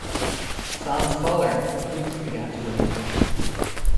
Sans caller, the group began to wane.